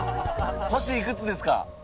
星いくつですか？